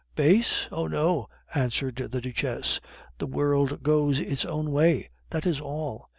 "Base? Oh, no," answered the Duchess; "the world goes its own way, that is all.